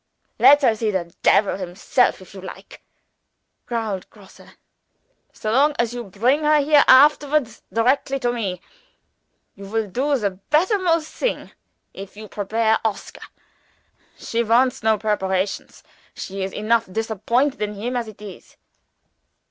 "Let her see the devil himself if you like," growled Grosse, "so long as you bring her here afterwards directly to me. You will do the bettermost thing, if you prepare Oscar. She wants no preparations! She is enough disappointed in him as it is!"